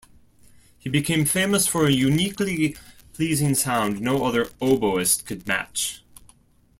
He became famous for a uniquely pleasing sound no other oboist could match.